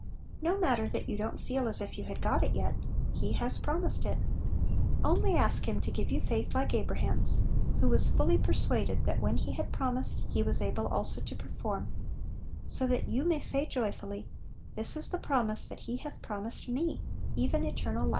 No matter that you don't feel as if you had got it yet, — He has promised it ! Only ask Him to give you faith like Abraham's, who was " fully persuaded that what He had promised He was able also to perform," so that you may say joyfully, " This is the promise that He hath promised me, even eternal life!"